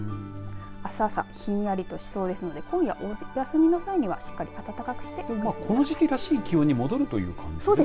あす朝ひんやりとしそうですので、今夜おやすみの際にはしっかり暖かくしてこの時期らしい気温に戻るということですね。